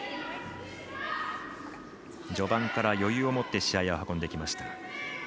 序盤から余裕を持って試合を運んできました。